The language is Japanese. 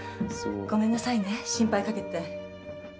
ごめんなさいね心配かけて。